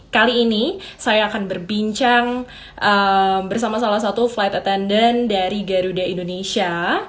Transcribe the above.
kali ini saya akan berbincang bersama salah satu flight attendant dari garuda indonesia